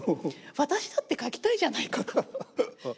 私だって書きたいじゃないかと。